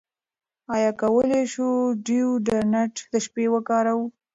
ایا کولی شو ډیوډرنټ د شپې وکاروو؟